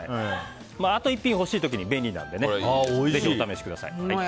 あと１品欲しい時に便利なのでぜひお試しください。